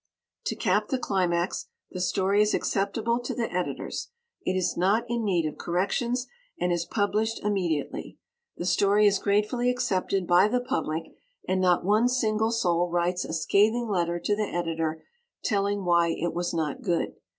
To cap the climax, the story is acceptable to the Editors. It is not in need of corrections and is published immediately. The story is gratefully accepted by the public and not one single soul writes a scathing letter to the Editor telling why it was not good.